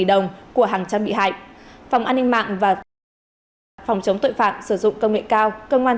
đồng của hàng trăm bị hại phòng an ninh mạng và phòng chống tội phạm sử dụng công nghệ cao công an